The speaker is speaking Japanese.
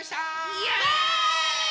イエーイ！